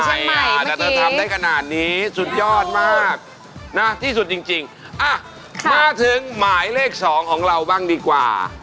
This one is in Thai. แต่เธอทำได้ขนาดนี้สุดยอดมากนะที่สุดจริงมาถึงหมายเลข๒ของเราบ้างดีกว่า